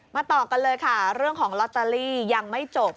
ต่อกันเลยค่ะเรื่องของลอตเตอรี่ยังไม่จบ